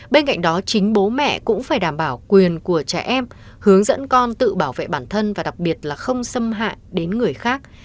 bên cạnh đó chính bố mẹ cũng phải đảm bảo quyền của trẻ em hướng dẫn con tự bảo vệ bản thân và đặc biệt là không xâm hại đến người khác